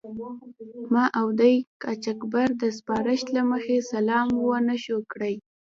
ما او دې د قاچاقبر د سپارښت له مخې سلام و نه شو کړای.